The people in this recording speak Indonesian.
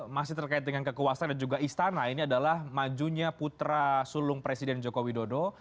masih terkait dengan kekuasaan dan juga istana ini adalah majunya putra sulung presiden joko widodo